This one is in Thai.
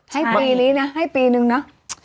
ให้ปีนี้นะให้ปีนึงเนอะ